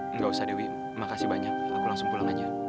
tidak perlu wih terima kasih banyak saya langsung pulang saja